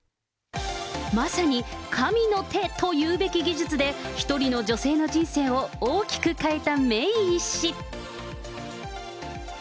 まさに、神の手というべき技術で、一人の女性の人生を大きく変えたメイ医師。